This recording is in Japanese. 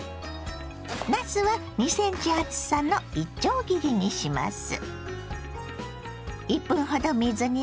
なすは２ｃｍ厚さのいちょう切りにします。